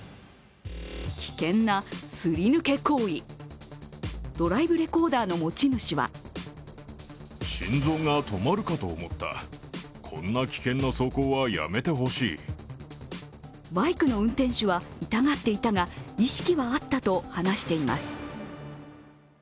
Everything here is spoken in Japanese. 危険なすり抜け行為、ドライブレコーダーの持ち主はバイクの運転手は痛がっていたが、意識はあったと話しています。